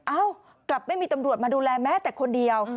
เอ้ากลับไม่มีตำรวจมาดูแลแม้แต่คนเดียว